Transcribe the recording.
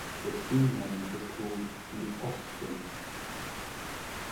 The team name is called the "Ospreys".